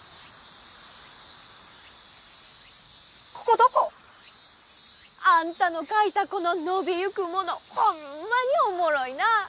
ここどこ？あんたの書いたこの「伸びゆくもの」ほんまにおもろいなあ。